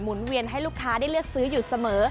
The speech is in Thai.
เวียนให้ลูกค้าได้เลือกซื้ออยู่เสมอ